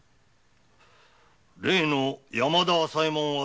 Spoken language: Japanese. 例の山田朝右衛門はどうした？